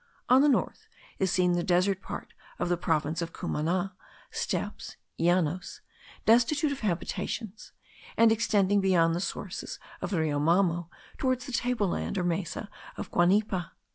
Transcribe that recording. On the north is seen the desert part of the province of Cumana, steppes (Llanos) destitute of habitations, and extending beyond the sources of the Rio Mamo, toward the tableland or mesa of Guanipa.